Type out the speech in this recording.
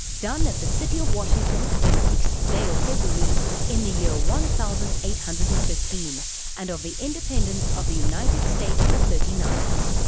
"Done at the City of Washington, the sixth day of February, in the year one thousand eight hundred and fifteen, and of the independence of the United States the thirty ninth.